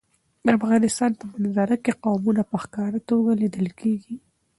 د افغانستان په منظره کې قومونه په ښکاره توګه لیدل کېږي.